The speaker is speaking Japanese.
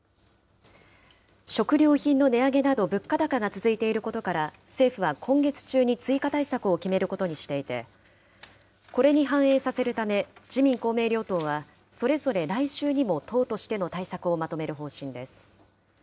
食料品の値上げなど物価高が続いていることから、政府は今月中に追加対策を決めることにしていて、これに反映させるため、自民、公明両党はそれぞれ来週にも党としての対策をまとめる方針です。